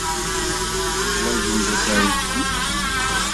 Teḥwajem tasarut-nni?